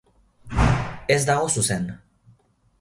Ez dago zuzen.